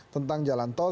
tentang jalan tol